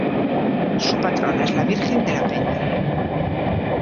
Su patrona es la Virgen de la Peña.